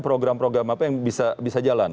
program program apa yang bisa jalan